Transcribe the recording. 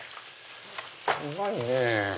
うまいねぇ。